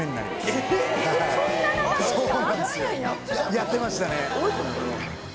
やってましたね。